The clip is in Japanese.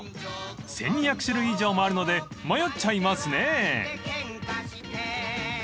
［１，２００種類以上もあるので迷っちゃいますね］